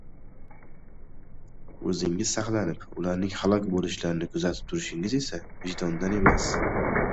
O’zingiz saqlanib, ularning halok bo‘lishlarini kuzatib turishingiz esa vajdondan emas.